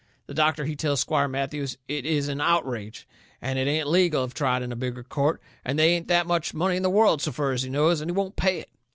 The doctor, he tells Squire Matthews it is an outrage, and it ain't legal if tried in a bigger court, and they ain't that much money in the world so fur as he knows, and he won't pay it.